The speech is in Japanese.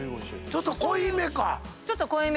ちょっと濃いめの。